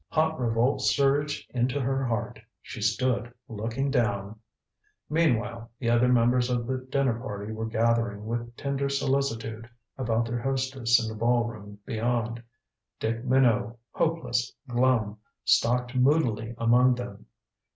Hot revolt surged into her heart. She stood looking down Meanwhile the other members of the dinner party were gathering with tender solicitude about their hostess in the ballroom beyond. Dick Minot, hopeless, glum, stalked moodily among them.